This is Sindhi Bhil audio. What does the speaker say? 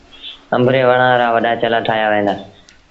آݩب ري وڻآݩ رآوڏآ چلآ ٺآهيآ وهيݩ دآ۔